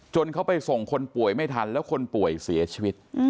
เขาไปส่งคนป่วยไม่ทันแล้วคนป่วยเสียชีวิต